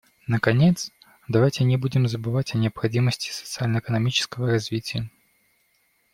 Наконец, давайте не будем забывать о необходимости социально-экономического развития.